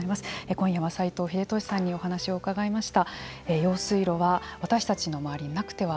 今夜は斎藤秀俊さんにお話を伺いました。